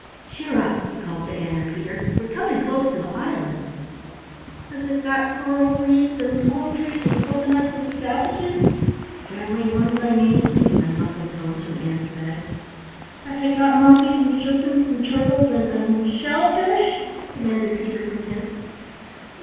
"Cheer up!" he called to Ann and Peter. "We're coming close to the island." "Has it got coral reefs and palm trees and cocoanuts and savages, friendly ones, I mean?" came in muffled tones from Ann's bag. "Has it got monkeys and serpents an' turtles an' an' shell fish?" demanded Peter from his.